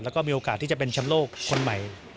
แล้วก็มีโอกาสที่จะเป็นแชมป์โลกคนใหม่